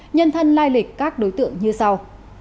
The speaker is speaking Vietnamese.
nhân thân lai lịch các đối tượng như sau